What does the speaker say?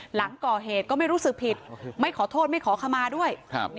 หลังก่อเหตุก็ไม่รู้สึกผิดไม่ขอโทษไม่ขอขมาด้วย